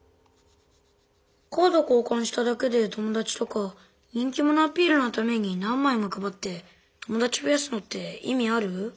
カード交かんしただけでともだちとか人気者アピールのために何まいもくばってともだちふやすのっていみある？